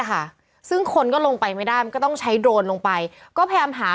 ค่ะซึ่งคนก็ลงไปไม่ได้มันก็ต้องใช้โดรนลงไปก็พยายามหา